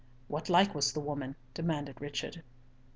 "What like was the woman?" demanded Richard.